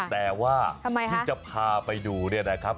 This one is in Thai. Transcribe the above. แต่ว่าที่จะพาไปดูเนี่ยนะครับ